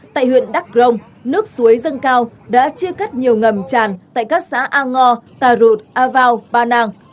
tại huyện đắc rông nước suối dâng cao đã chia cắt nhiều ngầm tràn tại các xã a ngo tà rụt a vào ba nàng